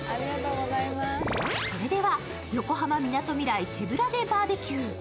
それでは横浜みなとみらい手ぶらでバーベキュー。